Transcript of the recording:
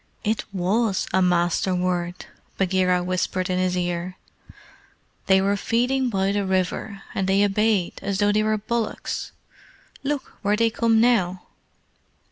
"It WAS a Master word," Bagheera whispered in his ear. "They were feeding by the river, and they obeyed as though they were bullocks. Look where they come now!"